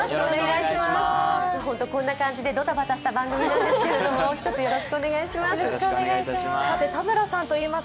こんな感じでドタバタした番組なんですけど、ひとつよろしくお願いします。